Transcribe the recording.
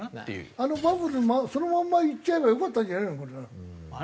あのバブルそのまんまいっちゃえばよかったんじゃないのかな？